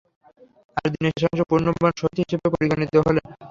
আর দিনের শেষাংশে পুণ্যবান শহীদ হিসেবে পরিগণিত হলেন।